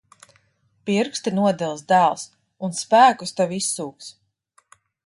Pirksti nodils, dēls. Un spēkus tev izsūks.